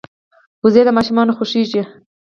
وزې د ماشومانو خوښېږي